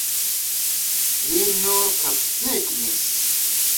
Li nur kapsignis.